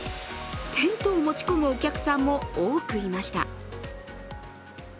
テントを持ち込むお客さんも多くいました。